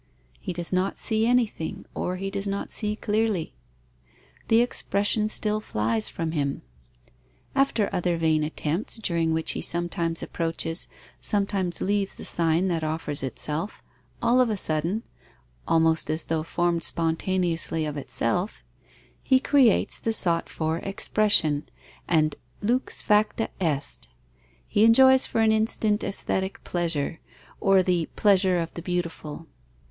He does not see anything, or he does not see clearly. The expression still flies from him. After other vain attempts, during which he sometimes approaches, sometimes leaves the sign that offers itself, all of a sudden (almost as though formed spontaneously of itself) he creates the sought for expression, and lux facta est. He enjoys for an instant aesthetic pleasure or the pleasure of the beautiful.